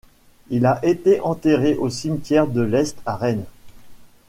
Il a été enterré au Cimetière de l'Est à Rennes.